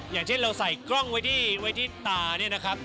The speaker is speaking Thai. อย่างเช่นเราใส่กล้องไว้ที่ตา